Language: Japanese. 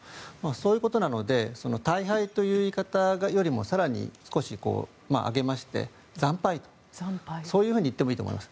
そういうことなので大敗という言い方よりも更に少し上げまして惨敗といっていいと思います。